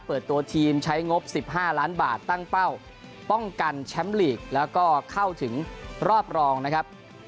เปิดตัวทีมใช้งบ๑๕ล้านบาทตั้งเป้าป้องกันแชมป์ลีกแล้วก็เข้าถึงรอบรองนะครับ